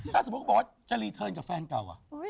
ถ้าสมมติกลับบอกว่าจะทำงานที่กับแฟนเก่า